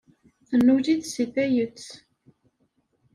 Tennul-it seg tayet.